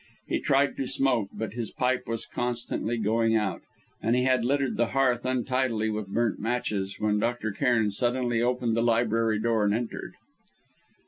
He tried to smoke; but his pipe was constantly going out, and he had littered the hearth untidily with burnt matches, when Dr. Cairn suddenly opened the library door, and entered.